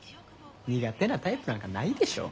苦手なタイプなんかないでしょ。